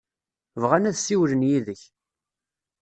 Bɣan ad ssiwlen yid-k.